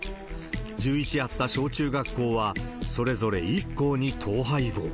１１あった小中学校はそれぞれ１校に統廃合。